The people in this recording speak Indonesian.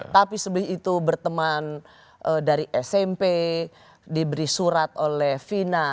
tapi sebelum itu berteman dari smp diberi surat oleh fina